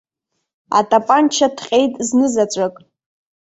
Атапанча ҭҟьеит знызаҵәык.